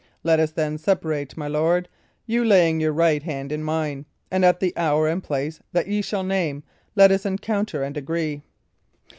Let us, then, separate, my lord, you laying your right hand in mine; and at the hour and place that ye shall name, let us encounter and agree."